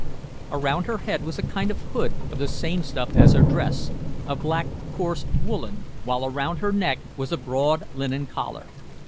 Around her head was a kind of hood of the same stuff as her dress, a black, coarse woolen, while around her neck was a broad linen collar.